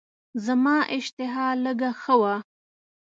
زما اشتها لږه ښه وه.